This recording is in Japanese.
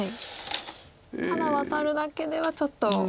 ただワタるだけではちょっとつらいですか。